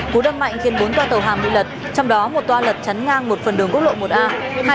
cú đâm mạnh khiến bốn toa tàu hàm bị lật trong đó một toa lật chắn ngang một phần đường quốc lộ một a